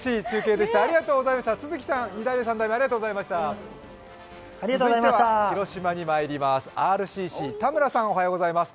では広島にまいります。